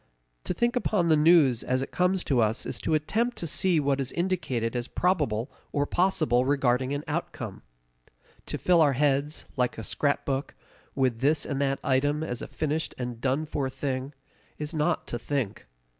To think upon the news as it comes to us is to attempt to see what is indicated as probable or possible regarding an outcome. To fill our heads, like a scrapbook, with this and that item as a finished and done for thing, is not to think.